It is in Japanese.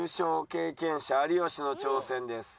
経験者有吉の挑戦です。